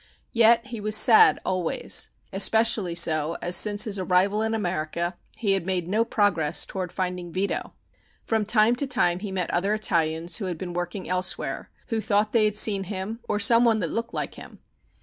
Yet he was sad always, especially so as since his arrival in America he had made no progress toward finding Vito. From time to time he met other Italians who had been working elsewhere, who thought they had seen him or some one that looked like him.